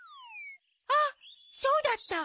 あっそうだった！